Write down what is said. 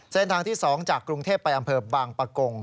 เส้นทางที่๒จากกรุงเทพไปอำเภอบางปะกง